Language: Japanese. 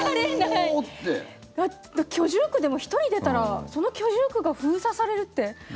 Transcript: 居住区でも１人出たらその居住区が封鎖されるって。